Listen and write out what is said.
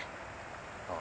ああ。